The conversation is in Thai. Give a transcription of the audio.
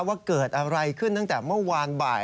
ว่าเกิดอะไรขึ้นตั้งแต่เมื่อวานบ่าย